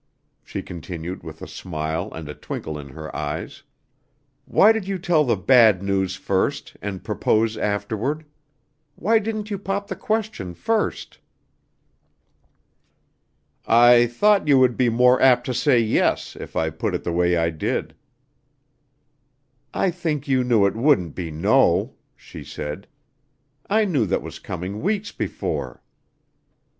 she continued with a smile and a twinkle in her eyes. "Why did you tell the bad news first and propose afterward? Why didn't you pop the question first?" "I thought you would be more apt to say 'yes' if I put it the way I did." "I think you knew it wouldn't be 'no,'" she said. "I knew that was coming weeks before."